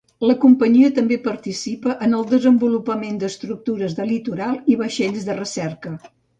La companyia també participa en el desenvolupament d'estructures de litoral i vaixells de recerca.